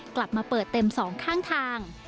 กลับมาเปิดเต็มสองข้างทาง